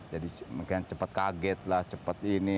jadi makanya cepat kaget lah cepat ini